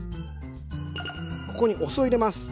ここにお酢を入れます。